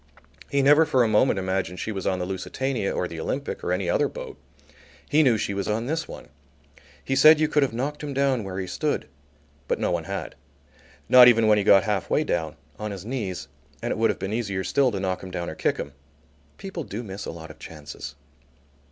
He never for a moment imagined she was on the Lusitania or the Olympic or any other boat. He knew she was on this one. He said you could have knocked him down where he stood. But no one had. Not even when he got halfway down, on his knees, and it would have been easier still to knock him down or kick him. People do miss a lot of chances.